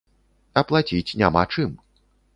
А плаціць няма чым.